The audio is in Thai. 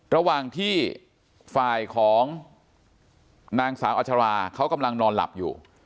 ระหว่างที่ฝ่ายของนางสาวอัชราเขากำลังนอนหลับอยู่